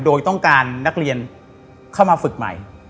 โดยต้องการนักเรียนเข้ามาฝึกใหม่